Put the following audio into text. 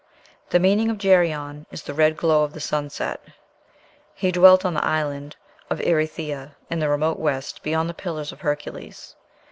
The meaning of Geryon is "the red glow of the sunset." He dwelt on the island of "Erythea, in the remote west, beyond the Pillars of Hercules."